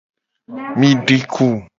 Mi di ku.